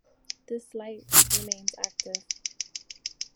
This light remains active.